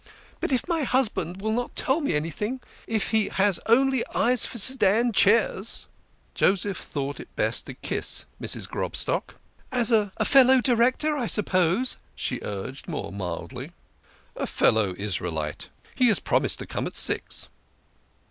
" If my husband will not tell me anything if he has only eyes for sedan chairs." Joseph thought it best to kiss Mrs. Grobstock. " A fellow Director, I suppose? " she urged, more mildly. " A fellow Israelite. He has promised to come at six."